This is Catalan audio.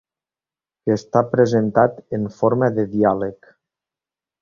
Que està presentat en forma de diàleg.